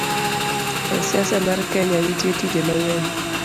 E siasa mar Kenya, nitie tije mang'eny